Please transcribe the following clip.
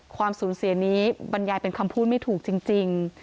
ความสูญเสียนี้บรรยายเป็นคำพูดไม่ถูกจริง